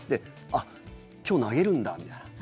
あっ、今日投げるんだみたいな。